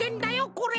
これ！